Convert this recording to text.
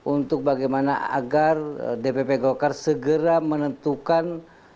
untuk bagaimana agar dpp golkar segera menentukan